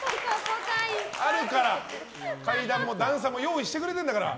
階段も段差も用意してくれてるんだから。